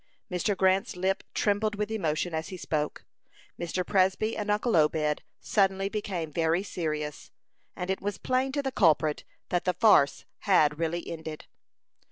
Mr. Grant's lip trembled with emotion as he spoke. Mr. Presby and uncle Obed suddenly became very serious, and it was plain to the culprit that the farce had really ended.